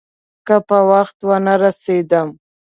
که په وخت ونه رسېدم.